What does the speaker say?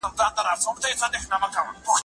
که استاد شاګرد ته ازادي ورنکړي نو پرمختګ نه کېږي.